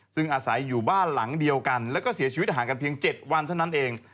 ซึ่งอาศัยอยู่บ้านหลังเดียวกันแล้วก็เสียชีวิตห่างกันเพียง๗วันเท่านั้นเอง